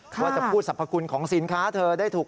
ว่าจะพูดสรรพคุณของสินค้าเธอได้ถูก